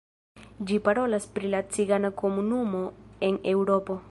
Ĝi parolas pri la cigana komunumo en Eŭropo.